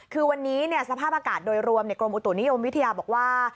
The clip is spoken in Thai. คือวันนี้สภาพอากาศโดยรวมกรมอุตุนิยมวิทยาบอกว่า